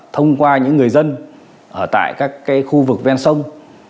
thông qua những người dân ở tại các khu vực ven sông